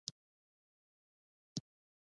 د خاورې اصلاح د فصل د ښه والي سبب ده.